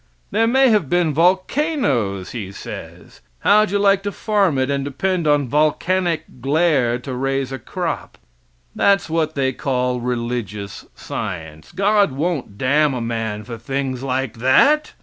There may have been volcanoes, he says. How'd you like to farm it, and depend on volcanic glare to raise a crop? That's what they call religious science. God won't damn a man for things like that.